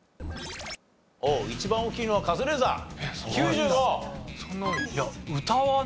一番大きいのはカズレーザー９５。